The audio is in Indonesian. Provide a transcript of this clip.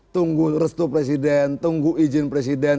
tunggu restu presiden tunggu izin presiden